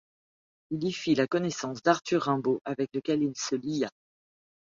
Il y fit la connaissance d'Arthur Rimbaud, avec lequel il se lia.